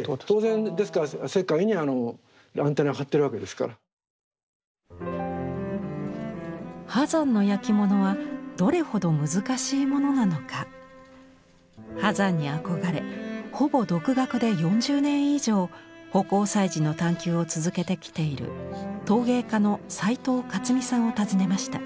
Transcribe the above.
当然ですから世界にアンテナを張ってるわけですから。波山のやきものはどれほど難しいものなのか。波山に憧れほぼ独学で４０年以上葆光彩磁の探求を続けてきている陶芸家の齊藤勝美さんを訪ねました。